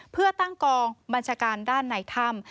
เพื่อตั้งกองบัญชาการด้านในถ้ำ